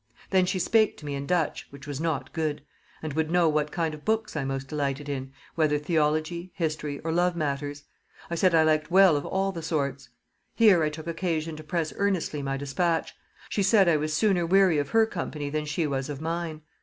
Then she spake to me in Dutch, which was not good; and would know what kind of books I most delighted in, whether theology, history, or love matters? I said I liked well of all the sorts. Here I took occasion to press earnestly my dispatch: she said I was sooner weary of her company than she was of mine.